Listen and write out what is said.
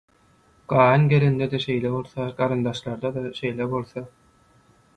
gaýyngelinde-de şeýle bolsa, garyndaşlarda-da şeýle bolsa…